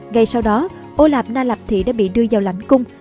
ngay sau đó ô lạp na lạp thị đã bị đưa vào lãnh cung